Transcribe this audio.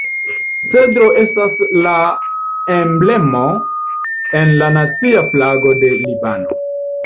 Cedro estas la emblemo en la nacia flago de Libano.